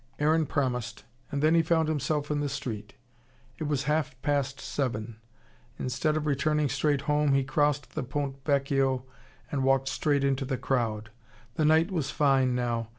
Aaron promised and then he found himself in the street. It was half past seven. Instead of returning straight home, he crossed the Ponte Vecchio and walked straight into the crowd. The night was fine now.